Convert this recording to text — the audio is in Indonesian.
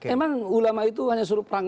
emang ulama itu hanya suruh perang